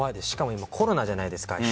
しかも今コロナじゃないですか。